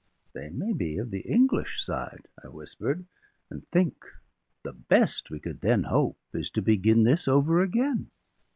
"They may be of the English side," I whispered; "and think! the best we could then hope is to begin this over again."